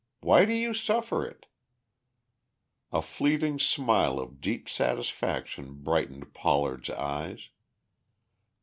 Why do you suffer it?" A fleeting smile of deep satisfaction brightened Pollard's eyes.